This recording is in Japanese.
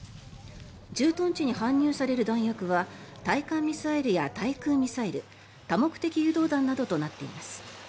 駐屯地に搬入される弾薬は対艦ミサイルや対空ミサイル多目的誘導弾などとなっています。